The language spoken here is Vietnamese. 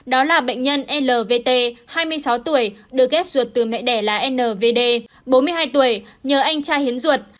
đó là bệnh nhân lvt hai mươi sáu tuổi được ghép ruột từ mẹ đẻ là nvd bốn mươi hai tuổi nhờ anh cha hiến ruột